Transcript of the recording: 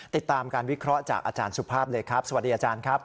ติดตามการวิเคราะห์จากอาจารย์สุภาพเลยครับสวัสดีอาจารย์ครับ